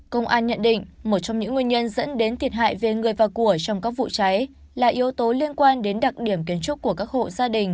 công an nhận định một trong những nguyên nhân dẫn đến thiệt hại về người và của trong các vụ cháy là yếu tố liên quan đến đặc điểm kiến trúc của các hộ gia đình